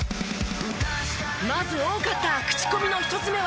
まず多かった口コミの１つ目は。